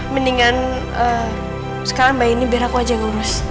mendingan sekarang bayi ini biar aku aja yang urus